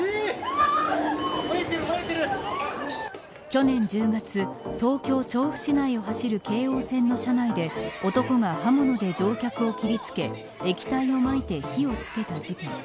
去年１０月東京、調布市内を走る京王線の車内で男が刃物で乗客を切りつけ液体をまいて火をつけた事件。